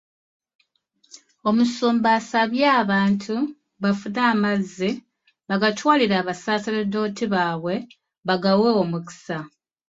Omusumba asabye abantu bafune amazzi bagatwalire abasaseredooti baabwe bagawe omukisa